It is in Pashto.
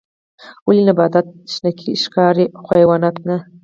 ولې نباتات شنه ښکاري خو حیوانات نه